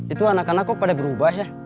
itu anak anak kok pada berubah ya